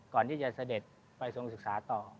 ก่อนที่จะเสด็จไปทรงศึกษาต่อ